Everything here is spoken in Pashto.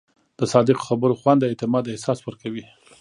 د صادقو خبرو خوند د اعتماد احساس ورکوي.